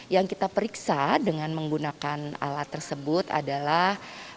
yang kita periksa dengan menggunakan alat tersebut adalah